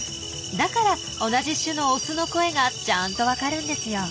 だから同じ種のオスの声がちゃんとわかるんですよ。